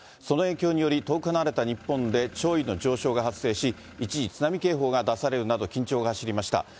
その影響により、遠く離れた日本で潮位の上昇が発生し、一時、津波警報が出されるなど、緊張が走りました。